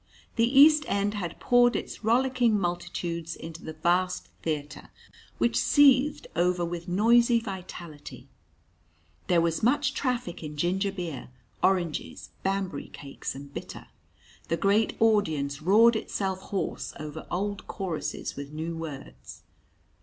The East end had poured its rollicking multitudes into the vast theatre, which seethed over with noisy vitality. There was much traffic in ginger beer, oranges, Banbury cakes, and "bitter." The great audience roared itself hoarse over old choruses with new words.